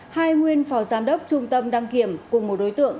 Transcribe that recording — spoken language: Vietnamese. hai nguyên phò giám đốc trung tâm đăng kiểm cùng một đối tượng